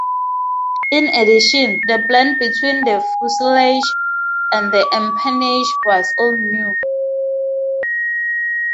In addition, the blend between the fuselage and the empennage was all new.